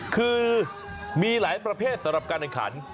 คือมีหลายประเภทสำหรับการแข่งขัน